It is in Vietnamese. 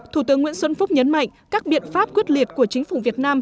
thủ tướng nguyễn xuân phúc nhấn mạnh các biện pháp quyết liệt của chính phủ việt nam